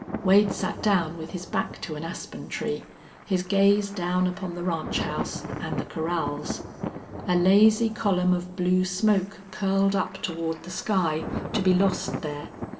Wade sat down with his back to an aspen tree, his gaze down upon the ranch house and the corrals. A lazy column of blue smoke curled up toward the sky, to be lost there.